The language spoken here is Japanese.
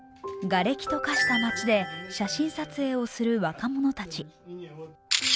がれきと化した街で写真撮影をする若者たち。